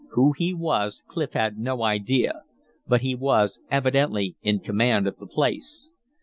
Who he was Clif had no idea, but he was evidently in command of the place.